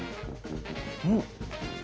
うん。